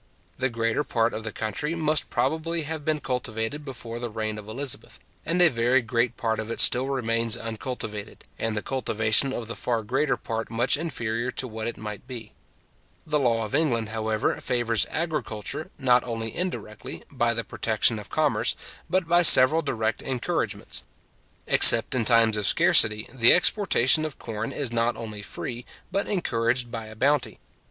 The greater part of the country must probably have been cultivated before the reign of Elizabeth; and a very great part of it still remains uncultivated, and the cultivation of the far greater part much inferior to what it might be, The law of England, however, favours agriculture, not only indirectly, by the protection of commerce, but by several direct encouragements. Except in times of scarcity, the exportation of corn is not only free, but encouraged by a bounty.